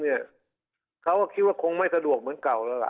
เขาก็คิดว่าคงไม่สะดวกเหมือนเก่าแล้วล่ะ